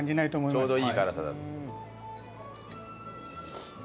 ちょうどいい辛さだ。